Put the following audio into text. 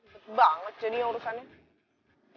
cepet banget jadi urusannya